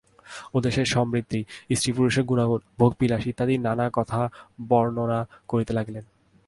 ওদেশের সমৃদ্ধি, স্ত্রী-পুরুষের গুণাগুণ, ভোগবিলাস ইত্যাদি নানা কথা বর্ণন করিতে লাগিলেন।